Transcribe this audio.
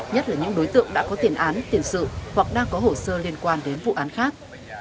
nhất là những đối tượng đã có tiền án tiền sự hoặc đang có hổ sơ liên quan đến vụ án khác